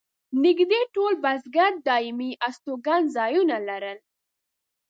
نږدې ټول بزګر دایمي استوګن ځایونه لرل.